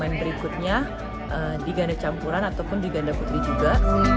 pemain berikutnya di ganda campuran ataupun di ganda putri juga